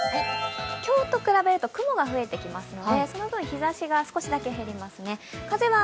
今日と比べると雲が増えてきますのでその分、日ざしが少しだけ減ります